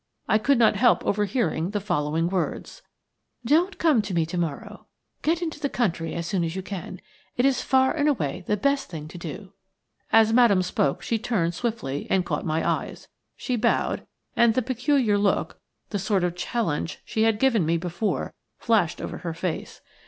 I could not help overhearing the following words:– "Don't come to me to morrow. Get into the country as soon as you can. It is far and away the best thing to do." As Madame spoke she turned swiftly and caught my eye. She bowed, and the peculiar look, the sort of challenge, she had before given me flashed over her face.